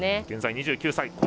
現在、２９歳。